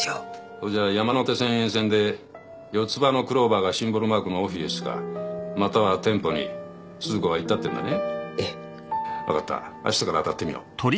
それじゃあ山手線沿線で四つ葉のクローバーがシンボルマークのオフィスかまたは店舗に鈴子は行ったっていうんだねええ分かった明日から当たってみよう